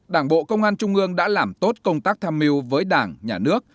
đảng bộ công an trung ương đã làm tốt công tác tham mưu với đảng nhà nước